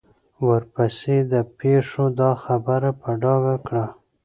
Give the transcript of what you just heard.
ورپسې پېښو دا خبره په ډاګه کړه.